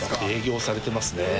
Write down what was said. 営業されてますね。